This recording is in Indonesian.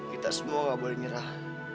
kita semua boleh nyerah